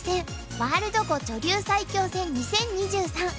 ワールド碁女流最強戦２０２３」